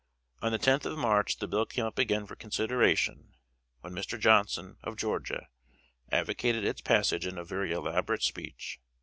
On the tenth of March the bill came up again for consideration, when Mr. Johnson, of Georgia, advocated its passage in a very elaborate speech.